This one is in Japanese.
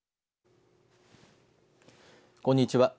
こんにちは。